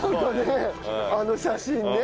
あの写真ね。